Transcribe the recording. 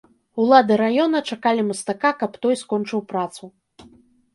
Улады раёна чакалі мастака, каб той скончыў працу.